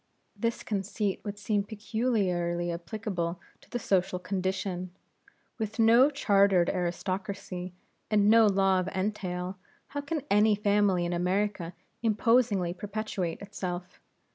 This conceit would seem peculiarly applicable to the social condition. With no chartered aristocracy, and no law of entail, how can any family in America imposingly perpetuate itself?